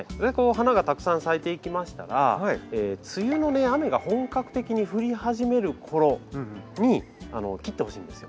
花がたくさん咲いていきましたら梅雨の雨が本格的に降り始める頃に切ってほしいんですよ。